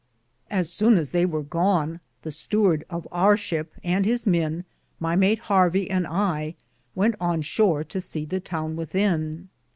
Assowne as they weare gone, the stuerde of our ship and his men, my mate Harvie and I, went on shore to se the towne within.